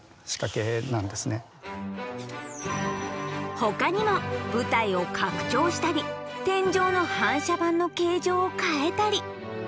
ほかにも舞台を拡張したり天井の反射板の形状を変えたり。